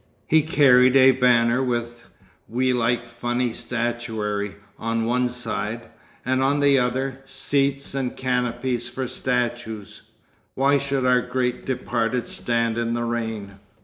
He carried a banner with 'We like Funny Statuary' on one side, and on the other 'Seats and Canopies for Statues, Why should our Great Departed Stand in the Rain?